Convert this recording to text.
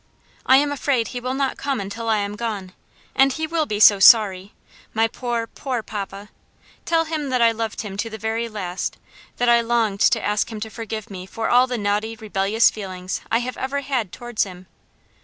I am afraid he will not come until I am gone, and he will be so sorry; my poor, poor papa! Tell him that I loved him to the very last; that I longed to ask him to forgive me for all the naughty, rebellious feelings I have ever had towards him.